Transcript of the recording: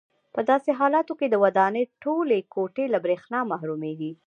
په داسې حالاتو کې د ودانۍ ټولې کوټې له برېښنا محرومېږي.